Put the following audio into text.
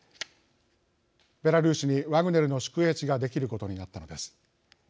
ベラルーシにワグネルの宿営地ができることになったのです。